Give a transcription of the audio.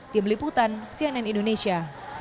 tim liputan cnn indonesia